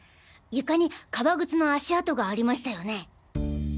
床に革靴の足跡がありましたよね。